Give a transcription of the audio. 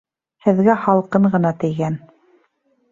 Һеҙгә һалҡын ғына тейгән